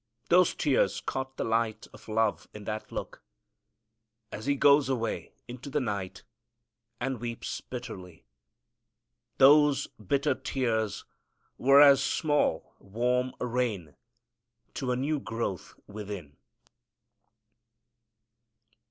Those tears caught the light of love in that look, as he goes away into the night and weeps bitterly. Those bitter tears were as small, warm rain to a new growth within.